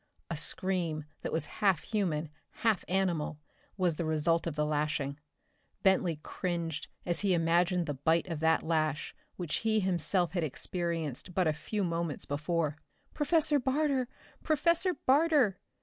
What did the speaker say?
A scream that was half human, half animal, was the result of the lashing. Bentley cringed as he imagined the bite of that lash which he himself had experienced but a few moments before. "Professor Barter! Professor Barter!"